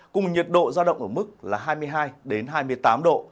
cùng nhiệt độ gia động ở mức là hai mươi hai đến hai mươi tám độ